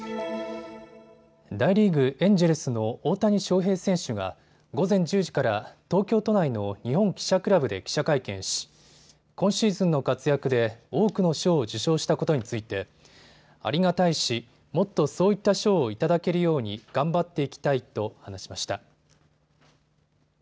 大リーグ、エンジェルスの大谷翔平選手が午前１０時から東京都内の日本記者クラブで記者会見し、今シーズンの活躍で多くの賞を受賞したことについてありがたいし、もっとそういった賞を頂けるように頑張っていきたいと話しました。